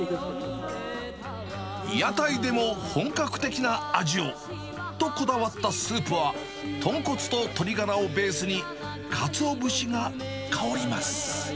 屋台でも本格的な味を、とこだわったスープは、豚骨と鶏がらをベースに、カツオ節が香ります。